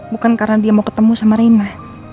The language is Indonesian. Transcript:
bukan karena dia mau ketemu sama rina